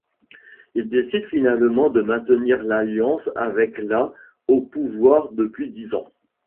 Il décide finalement de maintenir l'alliance avec la au pouvoir depuis dix ans.